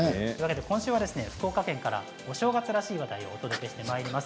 今週は福岡県からお正月らしいということでお伝えしてまいります。